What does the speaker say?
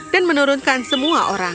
dan menurunkan semua orang